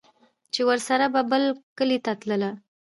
چې ورسره به بل کلي ته تلله